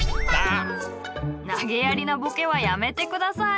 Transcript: なげやりなボケはやめて下さい！